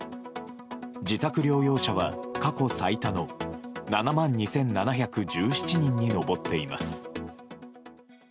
自宅療養者は過去最多の７万２７１７人に上っています。